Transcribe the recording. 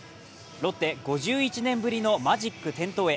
ロッテ、５１年ぶりのマジック点灯へ。